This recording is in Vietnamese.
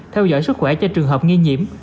theo dõi sức khỏe cho trường hợp nghi nhiễm